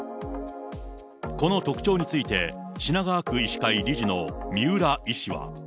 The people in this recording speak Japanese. この特徴について、品川区医師会理事の三浦医師は。